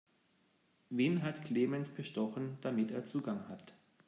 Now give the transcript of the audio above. Wen hat Clemens bestochen, damit er Zugang hat?